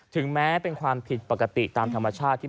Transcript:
ถึงแม้เป็นความผิดปกติตามธรรมชาติที่